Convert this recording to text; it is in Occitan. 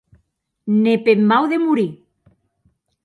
Ne peth mau de morir!